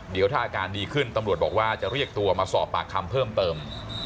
เดี๋ยวถ้าอาการดีขึ้นตำรวจบอกว่าจะเรียกตัวมาสอบปากคำเพิ่มเติม